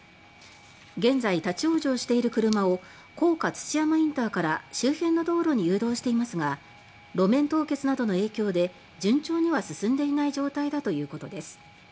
現在、立ち往生している車を甲賀土山インターから周辺の道路に誘導していますが路面凍結などの影響で順調には進んでいない状態だということです。